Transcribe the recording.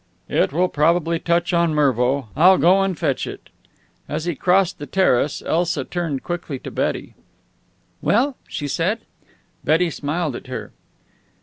"It will probably touch on Mervo. I'll go and fetch it." As he crossed the terrace, Elsa turned quickly to Betty. "Well?" she said. Betty smiled at her.